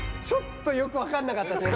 ちょっとよくわかんなかった。